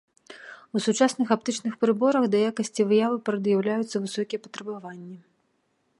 У сучасных аптычных прыборах да якасці выявы прад'яўляюцца высокія патрабаванні.